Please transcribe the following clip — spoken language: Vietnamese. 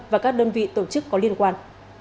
và các đơn vị tổ chức có liên quan